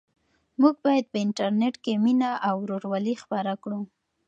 موږ باید په انټرنيټ کې مینه او ورورولي خپره کړو.